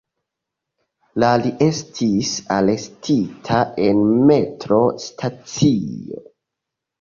La li estis arestita en metro-stacio.